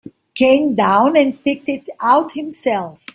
Came down and picked it out himself.